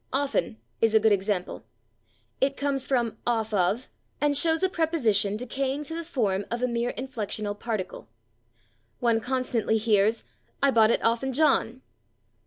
/Off'n/ is a good example; it comes from /off of/ and shows a preposition decaying to the form of a mere inflectional particle. One constantly hears "I bought it /off'n/ John."